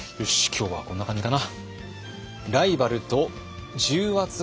今日はこんな感じかな。